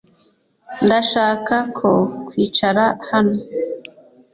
Ndashaka ko wicara hano .